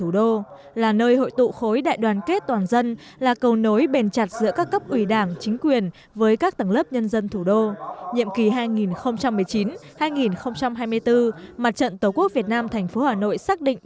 đại hội đại biểu mặt trận tổ quốc việt nam thành phố hà nội